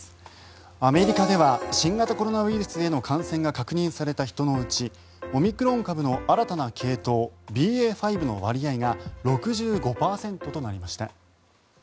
アメリカでは新型コロナウイルスへの感染が確認された人のうちオミクロン株の新たな系統ＢＡ．５の割合が６５％となりました。